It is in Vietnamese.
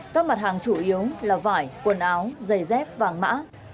các mặt hàng chủ yếu là vải quần áo giày dép vàng mã